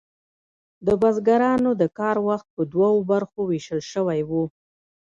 د بزګرانو د کار وخت په دوو برخو ویشل شوی و.